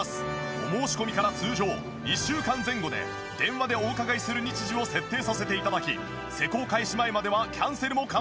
お申し込みから通常１週間前後で電話でお伺いする日時を設定させて頂き施工開始前まではキャンセルも可能です。